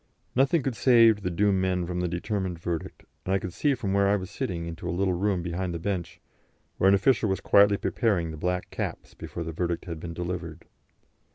Nothing could save the doomed men from the determined verdict, and I could see from where I was sitting into a little room behind the bench, where an official was quietly preparing the black caps before the verdict had been delivered.